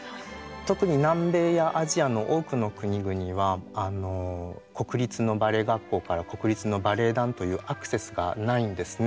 特に南米やアジアの多くの国々は国立のバレエ学校から国立のバレエ団というアクセスがないんですね。